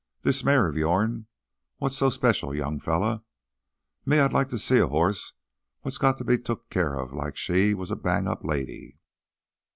This mare o' yourn what's so special, young feller.... Me, I'd like t' see a hoss what's got to be took care of like she was a bang up lady!"